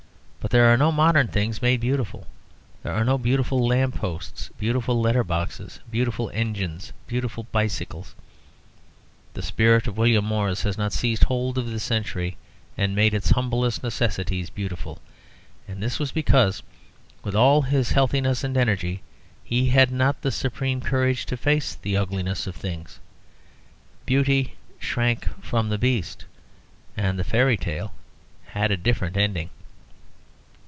But there are no modern things made beautiful. There are no beautiful lamp posts, beautiful letter boxes, beautiful engines, beautiful bicycles. The spirit of William Morris has not seized hold of the century and made its humblest necessities beautiful. And this was because, with all his healthiness and energy, he had not the supreme courage to face the ugliness of things; Beauty shrank from the Beast and the fairy tale had a different ending.